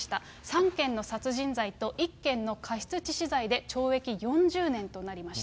３件の殺人罪と１件の過失致死罪で懲役４０年となりました。